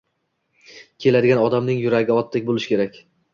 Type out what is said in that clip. Keladigan odamning yuragi otdek bo‘lishi kerak.